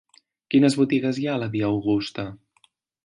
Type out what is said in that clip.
Quines botigues hi ha a la via Augusta?